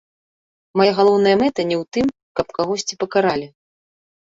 Мая галоўная мэта не ў тым, каб кагосьці пакаралі.